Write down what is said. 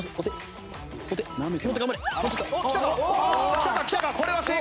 きたかきたか！？